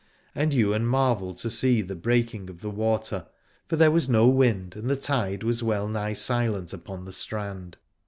And Ywain marvelled to see the 1 06 Aladore breaking of the water, for there was no wind and the tide was well nigh silent upon the strand.